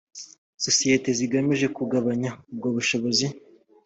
sosiyete zigamije kugabanya ubwo bushobozi